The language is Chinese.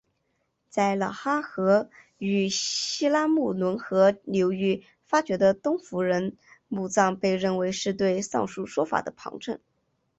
在老哈河与西拉木伦河流域发掘的东胡人墓葬被认为是对上述说法的旁证。